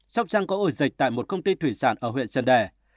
sóc trăng có ổ dịch tại một công ty thủy sản ở huyện trần đề